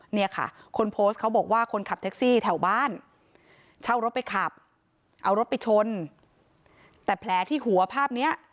เนี่ยค่ะคนโพสต์เขาบอกว่าคนขับแท็กซี่แถวบ้าน